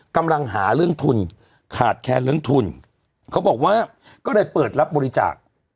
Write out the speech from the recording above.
กำลังหาเรื่องทุนขาดแคลนเรื่องทุนเขาบอกว่าก็เลยเปิดรับบริจาค